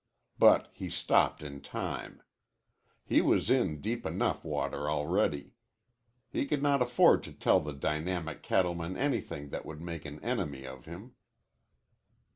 But he stopped in time. He was in deep enough water already. He could not afford to tell the dynamic cattleman anything that would make an enemy of him.